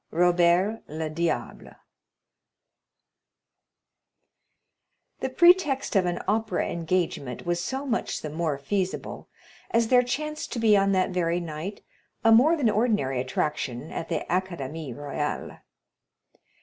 Robert le Diable The pretext of an opera engagement was so much the more feasible, as there chanced to be on that very night a more than ordinary attraction at the Académie Royale.